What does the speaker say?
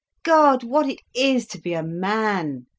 "God, what it is to be a man!"